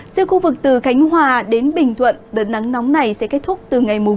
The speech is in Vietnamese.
riêng khu vực từ khánh hòa đến bình thuận đợt nắng nóng này sẽ kết thúc từ ngày mùng năm